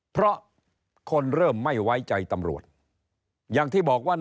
เพราะคนเริ่มไม่ไว้ใจตำรวจอย่างที่บอกว่า